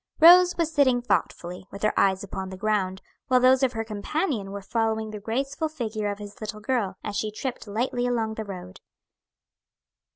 Rose was sitting thoughtfully, with her eyes upon the ground, while those of her companion were following the graceful figure of his little girl, as she tripped lightly along the road.